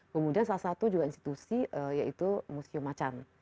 kemudian salah satu juga institusi yaitu museum macan